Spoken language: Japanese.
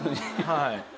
はい。